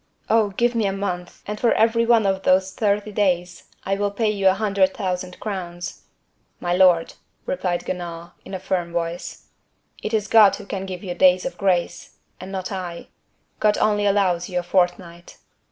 Oh! give me a month, and for every one of those thirty days I will pay you a hundred thousand crowns." "My lord," replied Guenaud, in a firm voice, "it is God who can give you days of grace, and not I. God only allows you a fortnight."